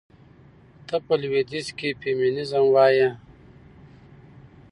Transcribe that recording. ته په لوىديځ کې فيمينزم وايي.